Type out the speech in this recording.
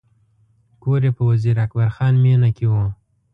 کور یې په وزیر اکبر خان مېنه کې و.